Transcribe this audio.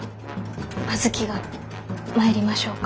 阿月が参りましょうか。